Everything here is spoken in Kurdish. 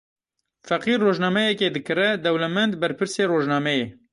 Feqîr rojnameyekê dikire, dewlemend berpirsê rojnameyê.